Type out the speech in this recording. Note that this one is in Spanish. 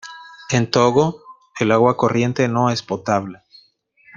En Togo, el agua corriente no es potable.